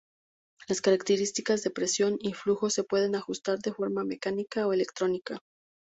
Las características de presión y flujo se pueden ajustar de forma mecánica o electrónica.